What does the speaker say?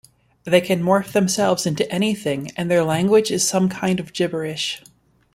They can morph themselves into anything, and their language is some kind of gibberish.